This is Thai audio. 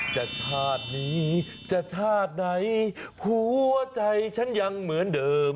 แต่ชาตินี้จะชาติไหนหัวใจฉันยังเหมือนเดิม